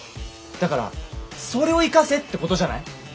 だからそれを生かせってことじゃない？